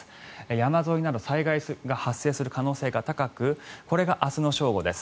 山沿いなど災害が発生する可能性が高くこれが明日の正午です。